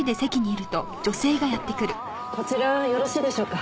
こちらよろしいでしょうか？